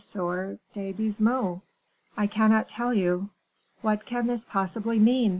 de Baisemeaux?" "I cannot tell you." "What can this possibly mean?"